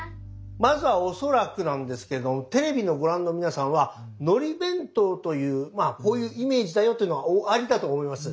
まずは恐らくなんですけれどもテレビをご覧の皆さんはのり弁当というまあこういうイメージだよというのがおありだと思います。